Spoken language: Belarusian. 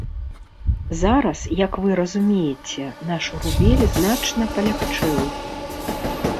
Зараз, як вы разумееце, наш рубель значна палягчэў.